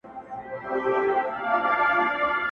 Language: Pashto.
o هم ئې زړه کېږي، هم ئې ساړه کېږي!